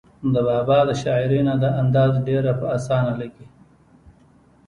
د بابا د شاعرۍ نه دا اندازه ډېره پۀ اسانه لګي